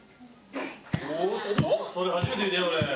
おそれ初めて見たよ俺。